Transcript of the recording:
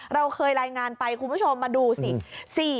เราเคยรายงานไปคุณผู้ชมมาดูสิ